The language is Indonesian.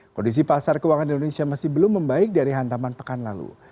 kondisi pasar keuangan indonesia masih belum membaik dari hantaman pekan lalu